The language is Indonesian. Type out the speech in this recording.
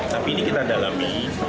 tapi ini kita dalami